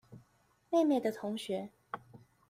妹妹的同學